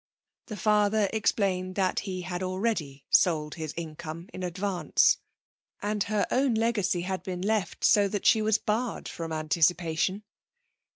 The father explained that he had already sold his income in advance. And her own legacy had been left so that she was barred from anticipation.